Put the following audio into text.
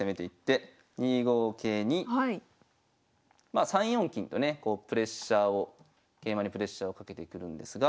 まあ３四金とねこうプレッシャーを桂馬にプレッシャーをかけてくるんですが。